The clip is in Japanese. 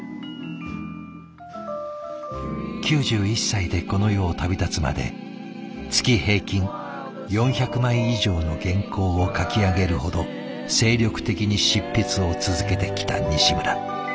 ９１歳でこの世を旅立つまで月平均４００枚以上の原稿を書き上げるほど精力的に執筆を続けてきた西村。